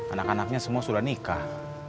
anak anaknya semua sudah nikah